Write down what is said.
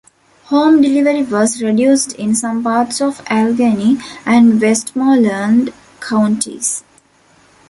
Home delivery was reduced in some parts of Allegheny and Westmoreland counties.